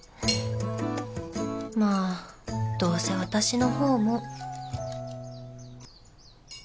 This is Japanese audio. まぁどうせ私のほうも